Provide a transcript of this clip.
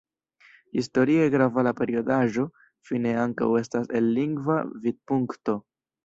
Historie grava la periodaĵo fine ankaŭ estas el lingva vidpunkto.